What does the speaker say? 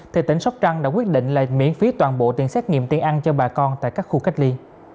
thì tỉnh sóc trăng đã quyết định là miễn phí toàn bộ tiền xét nghiệm tiền ăn cho bà con tại các khu cách ly